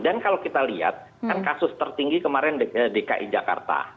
dan kalau kita lihat kasus tertinggi kemarin dki jakarta